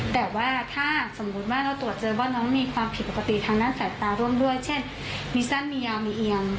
แต่ว่าถ้าสมมุติว่าเราตรวจเจอว่าน้องมีความผิดปกติทางด้านสายตาร่วมด้วยเช่นมีสั้นมียาวมีเอียง